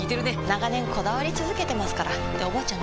長年こだわり続けてますからっておばあちゃん